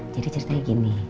jadi ceritanya gini